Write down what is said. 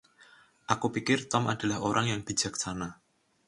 Aku pikir Tom adalah orang yang bijaksana.